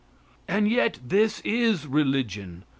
And yet this is religion.